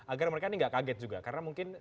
agar mereka ini nggak kaget juga karena mungkin